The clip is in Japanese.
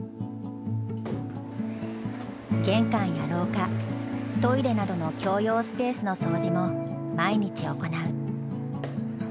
玄関や廊下トイレなどの共用スペースの掃除も毎日行う。